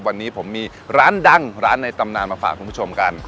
วันนี้ผมมีร้านดังร้านในตำนานมาฝากคุณผู้ชมกัน